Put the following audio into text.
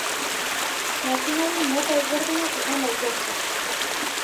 Matxinaden motak ezberdinak izan daitezke.